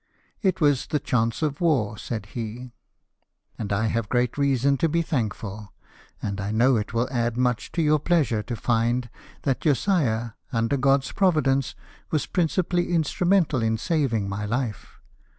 " It was the chance of war," said he, 122 LIFE OF NELSON. " and I have great reason to be thankful ; and I know it will add much to your pleasure to find that Josiah, under God's providence, was principally instrumental in saving my life.